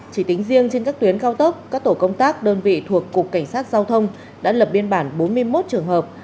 chỉ tính riêng trên các tuyến cao tốc các tổ công tác đơn vị thuộc cục cảnh sát giao thông đã lập biên bản bốn mươi một trường hợp